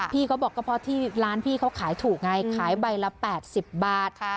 พี่เขาบอกก็เพราะที่ร้านพี่เขาขายถูกไงขายใบละ๘๐บาท